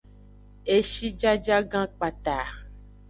Eshijajagan kpata.